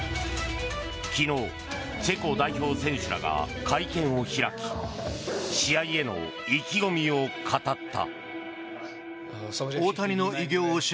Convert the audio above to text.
昨日、チェコ代表選手らが会見を開き試合への意気込みを語った。